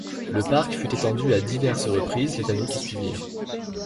Le parc fut étendu à diverses reprises les années qui suivirent.